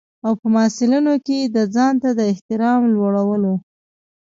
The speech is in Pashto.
او په محصلینو کې د ځانته د احترام لوړولو.